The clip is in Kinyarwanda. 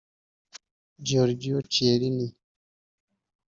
Giorgio Chiellini